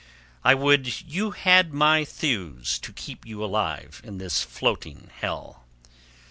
I would you had my thews to keep you alive in this floating hell."